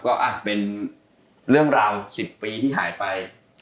ก็เป็นเรื่องราว๑๐ปีที่หายไป